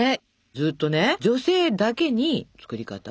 ずっとね女性だけに作り方を。